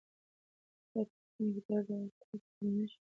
آیا په ستوني کې درد او وچ ټوخی د کرونا نښې دي؟